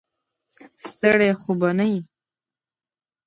ستړی خو به نه یې.